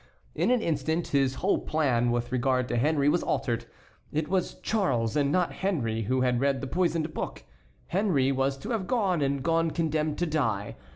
In an instant his whole plan with regard to Henry was altered. It was Charles and not Henry who had read the poisoned book. Henry was to have gone, and gone condemned to die.